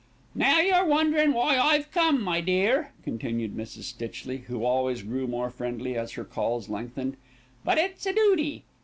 "Now you're wonderin' why I've come, my dear," continued Mrs. Stitchley, who always grew more friendly as her calls lengthened, "but it's a dooty.